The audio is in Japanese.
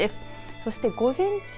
そして午前中